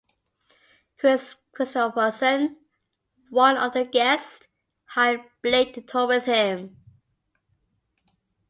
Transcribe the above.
Kris Kristofferson, one of the guests, hired Blake to tour with him.